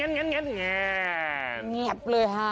งนเลยค่ะ